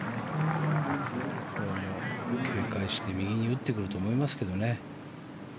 警戒して右に打ってくると思いますけどね。